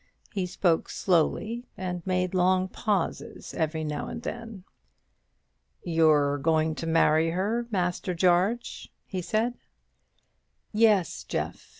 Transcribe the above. He spoke slowly, and made long pauses every now and then. "You're going to marry her, Master Jarge?" he said. "Yes, Jeff.